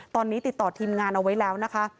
ตอนนี้ติดต่อทีมงานเอาไว้แล้วนะคะ